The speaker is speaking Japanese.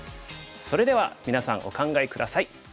それではみなさんお考え下さい。